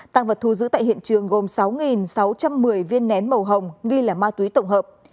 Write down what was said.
tăng vật thu giữ tại hiện trường gồm sáu sáu trăm một mươi viên nén màu hồng nghi là ma túy tổng hợp